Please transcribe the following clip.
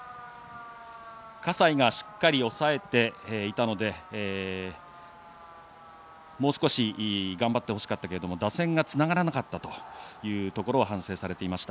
葛西がしっかり抑えていたのでもう少し頑張ってほしかったけれども打線がつながらなかったというところを反省されていました。